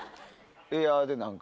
エアで何か。